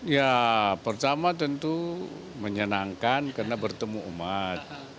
ya pertama tentu menyenangkan karena bertemu umat